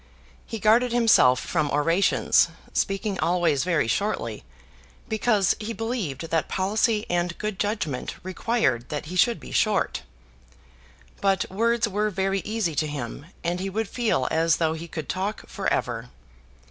He guarded himself from orations, speaking always very shortly, because he believed that policy and good judgment required that he should be short. But words were very easy to him, and he would feel as though he could talk for ever.